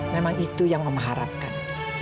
memang itu yang memerhatikan